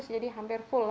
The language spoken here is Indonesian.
jadi hampir full